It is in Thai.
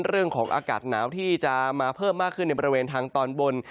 เรื่องของอากาศหนาวที่จะมาเพิ่มมากขึ้นในบริเวณทางตอนบน